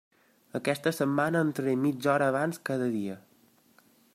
Aquesta setmana entraré mitja hora abans cada dia.